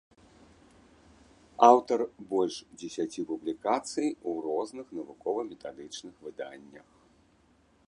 Аўтар больш дзесяці публікацый у розных навукова-метадычных выданнях.